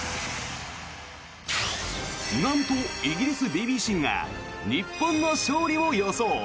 なんとイギリスＢＢＣが日本の勝利を予想。